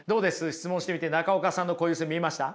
質問してみて中岡さんの固有性見えました？